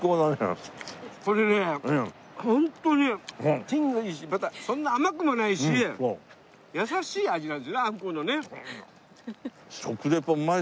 これねホントに品がいいしまたそんな甘くもないし優しい味なんですよねあんこのね。